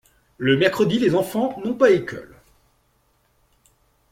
Le mercredi, les enfants n'ont pas école.